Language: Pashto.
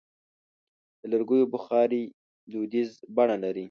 د لرګیو بخاري دودیزه بڼه لري.